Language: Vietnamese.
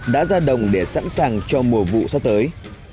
đã ra đồng để sẵn sàng cho mùa vụ sắp tới